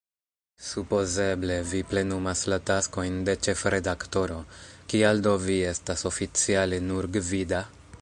Supozeble vi plenumas la taskojn de ĉefredaktoro, kial do vi estas oficiale nur "gvida"?